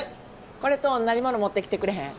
これと同じもの持ってきてくれへん？